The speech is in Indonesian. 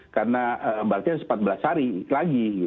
karena berarti harus empat belas hari lagi